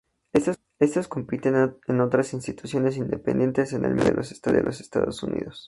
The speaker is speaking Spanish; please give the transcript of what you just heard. Estos compiten con otras instituciones independientes en el Medio Oeste de los Estados Unidos.